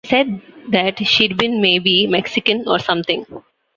He said that she'd been 'maybe Mexican or something.